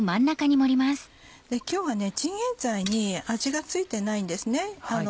今日はチンゲンサイに味が付いてないんですね。